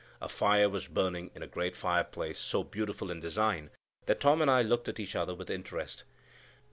A fire was burning in a great fireplace so beautiful in design that Tom and I looked at each other with interest.